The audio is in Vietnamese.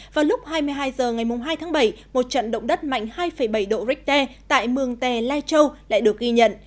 vào lúc hai mươi hai h ngày hai tháng bảy một trận động đất mạnh hai bảy độ richter tại mường tè lai châu lại được ghi nhận